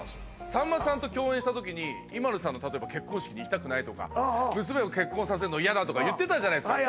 さんまさんと共演した時にＩＭＡＬＵさんの例えば結婚式に行きたくないとか娘を結婚させるの嫌だとか言ってたじゃないですか